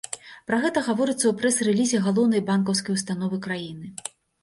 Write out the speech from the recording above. Пра гэта гаворыцца ў прэс-рэлізе галоўнай банкаўскай установы краіны.